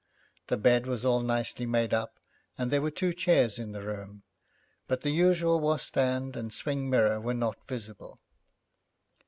The bed was all nicely made up, and there were two chairs in the room, but the usual washstand and swing mirror were not visible.